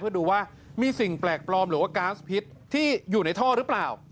เพื่อดูว่ามีสิ่งแปลกปลอมหรือว่าก๊าซพิษที่อยู่ในท่อหรือเปล่า